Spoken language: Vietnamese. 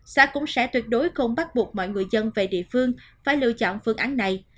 xã cũng sẽ tuyệt đối không bắt buộc mọi người dân về địa phương phải lựa chọn phương án này